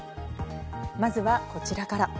まずは、こちらから。